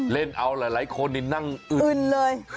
เล่นเอาหลายคนนี่นั่งอึน